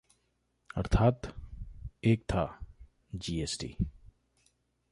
अर्थात्ः एक था जीएसटी